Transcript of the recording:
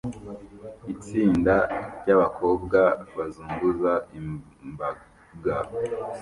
Itsinda ryabakobwa bazunguza imbaga